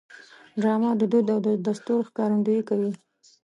ډرامه د دود او دستور ښکارندویي کوي